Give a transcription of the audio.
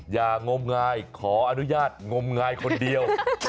อย่างมงายขออนุญาตมันงงายคนเดียว